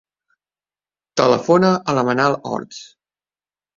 Telefona a la Manal Orts.